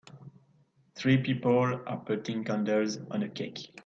Three people are putting candles on a cake.